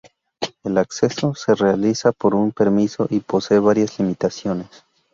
El acceso se realiza por un permiso y posee varias limitaciones.